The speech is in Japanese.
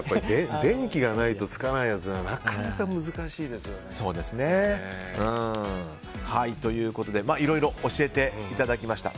電気がないとつかないやつはなかなか難しいですよね。ということで、いろいろ教えていただきました。